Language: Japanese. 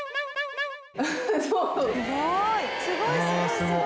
すごい！